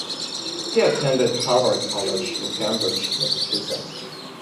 He attended Harvard College in Cambridge, Massachusetts.